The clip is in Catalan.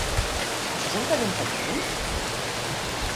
Això és un gran impediment?